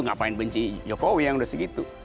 mengapa benci jokowi yang sudah segitu